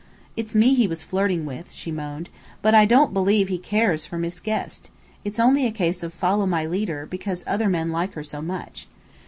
"It's me he was flirting with," she moaned. "But I don't believe he cares for Miss Guest. It's only a case of 'follow my leader,' because other men like her so much.